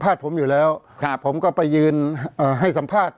เพราะฉะนั้นประชาธิปไตยเนี่ยคือการยอมรับความเห็นที่แตกต่าง